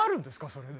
それで。